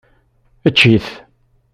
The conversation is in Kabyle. Ečč-it.